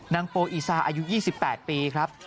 โปอีซาอายุ๒๘ปีครับ